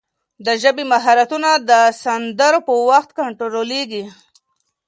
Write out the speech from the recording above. د ژبې مهارتونه د سندرو په وخت کنټرول کېږي.